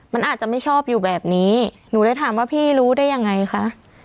มันอาจจะไม่ชอบอยู่แบบนี้หนูเลยถามว่าพี่รู้ได้ยังไงคะ